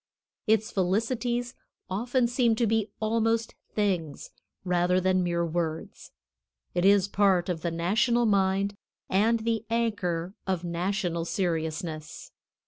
Its felicities often seem to be almost things rather than mere words. It is part of the national mind, and the anchor of national seriousness.